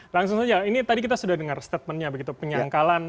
langsung saja ini tadi kita sudah dengar statementnya begitu penyangkalan